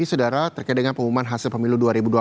sedara terkait dengan pengumuman hasil pemilu dua ribu dua puluh